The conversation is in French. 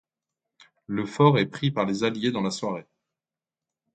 Le fort est pris par les Alliés dans la soirée.